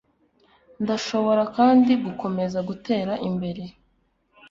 ndashobora kandi gukomeza gutera imbere